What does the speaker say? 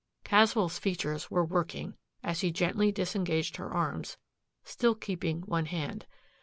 Caswell's features were working, as he gently disengaged her arms, still keeping one hand.